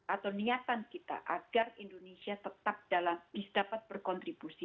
atau niatan kita agar indonesia tetap dapat berkontribusi